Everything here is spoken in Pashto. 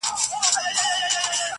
سپين لاسونه د ساقي به چيري وېشي٫